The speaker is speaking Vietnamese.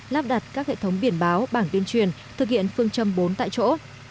lắp đặt các hệ thống biển báo bảng tuyên truyền thực hiện phương châm bốn tại chỗ